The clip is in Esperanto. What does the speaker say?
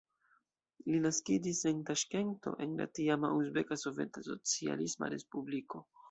Li naskiĝis en Taŝkento, en la tiama Uzbeka Soveta Socialisma Respubliko.